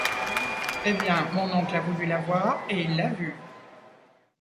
Eh ! bien, mon oncle a voulu la voir, et il l'a vue.